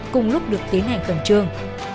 cùng lúc được tiến hành cầm trương